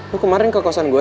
lu kemarin ke kosan gue ya